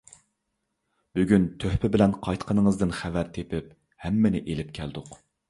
بۈگۈن تۆھپە بىلەن قايتقىنىڭىزدىن خەۋەر تېپىپ ھەممىنى ئېلىپ كەلدۇق.